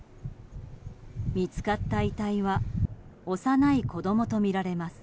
見つかった遺体は幼い子供とみられます。